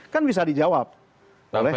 kan bisa dijawab oleh